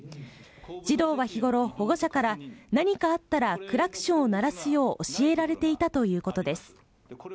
児童は日頃、保護者から、何かあったらクラクションを鳴らすよう、教えられていたということです。